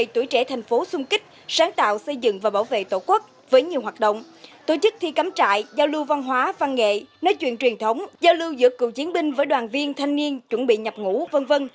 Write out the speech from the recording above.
trước thi cắm trại giao lưu văn hóa văn nghệ nói chuyện truyền thống giao lưu giữa cựu chiến binh với đoàn viên thanh niên chuẩn bị nhập ngũ v v